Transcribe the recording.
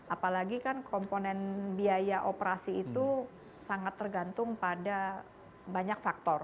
apalagi kan komponen biaya operasi itu sangat tergantung pada banyak faktor